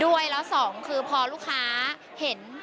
ด้วยแล้วสองคือพอลูกค้าเห็น